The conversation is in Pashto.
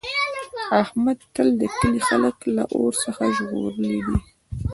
احمد تل د کلي خلک له اور څخه ژغورلي دي.